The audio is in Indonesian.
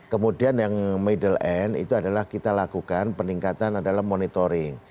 kemudian yang middle end itu adalah kita lakukan peningkatan adalah monitoring